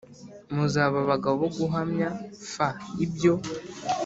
Muzaba abagabo bo guhamya f ibyo